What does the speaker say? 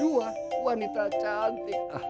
dua wanita cantik